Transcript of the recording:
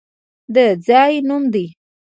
د ځای نوم دی!